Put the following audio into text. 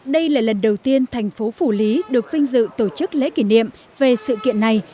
đây là lần đầu tiên thành phố phủ lý được vinh dự tổ chức lễ kỷ niệm về sự kiện này